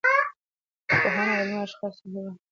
پوهان او علمي اشخاص د مطالعې په برخه کې مهم دي.